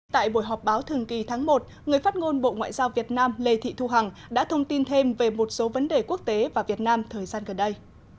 tại buổi họp báo thường kỳ tháng một người phát ngôn bộ ngoại giao việt nam lê thị thu hằng đã thông tin thêm về một số vấn đề quốc tế và việt nam thời gian gần đây